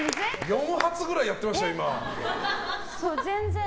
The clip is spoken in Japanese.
４発くらいやってましたよ、今。